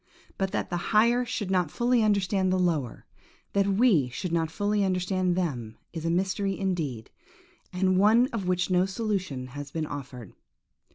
But that the higher should not fully understand the lower; that we should not fully understand them, is a mystery indeed, and one of which no solution has been offered.